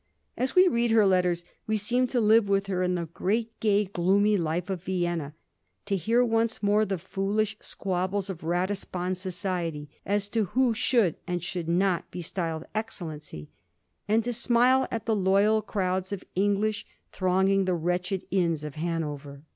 As we read her letters we seem to live with her in the great gay gloomy life of Vienna, to hear once more the foolish squabbles of Ratisbon society as to who should and should not be styled Excellency, and to smile at the loyal crowds of English thronging the wretched inns of Hanover.